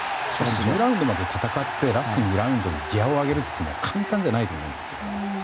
１１ラウンドまで戦ってラストの２ラウンドでギアを上げるのは簡単じゃないと思います。